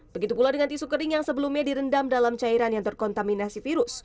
begitu pula dengan tisu kering yang sebelumnya direndam dalam cairan yang terkontaminasi virus